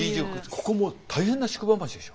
ここも大変な宿場町でしょ？